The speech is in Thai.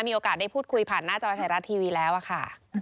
มีโอกาสได้พูดคุยผ่านหน้าจอไทยรัฐทีวีแล้วค่ะ